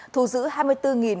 thù giữ hai mươi bốn đồng